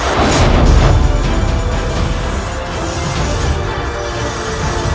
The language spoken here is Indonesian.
kembalikan tombak tulung agung yang telah kau curi dari